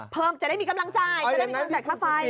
เพิ่มจะได้มีกำลังจ่ายจะได้มีกำลังจ่ายค่าไฟ